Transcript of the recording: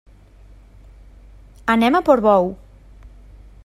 Anem a Portbou.